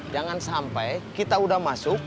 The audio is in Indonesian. jangan sampai kita udah masuk